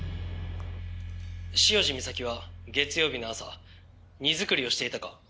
「潮路岬は月曜日の朝荷造りをしていたか？」